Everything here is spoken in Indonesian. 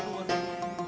aku tuh ngadgenommen